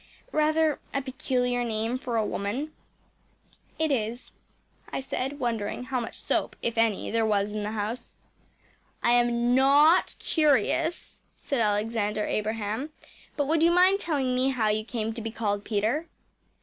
rather a peculiar name for a woman?‚ÄĚ “It is,‚ÄĚ I said, wondering how much soap, if any, there was in the house. “I am NOT curious,‚ÄĚ said Alexander Abraham, “but would you mind telling me how you came to be called Peter?